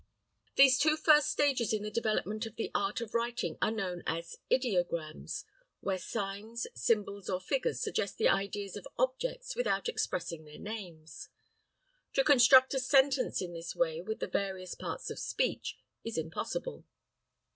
These two first stages in the development of the art of writing are known as ideograms, where signs, symbols or figures suggest the ideas of objects without expressing their names. To construct a sentence in this way with the various parts of speech, is impossible.